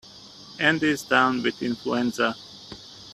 Andy is down with influenza.